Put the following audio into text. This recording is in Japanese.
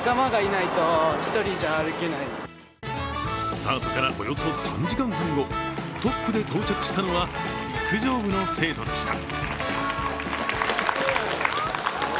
スタートからおよそ３時間半後トップで到着したのは陸上部の生徒でした。